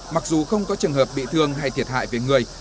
mặc dù không có trường hợp bị thương hay thiệt hại về người